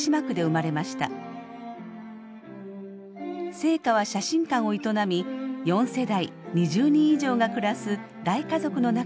生家は写真館を営み４世代２０人以上が暮らす大家族の中で育ちます。